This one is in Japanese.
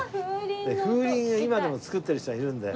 で風鈴を今でも作ってる人がいるんだよ。